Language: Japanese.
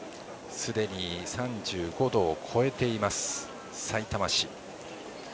すでに３５度を超えています、さいたま市。